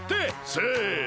せの！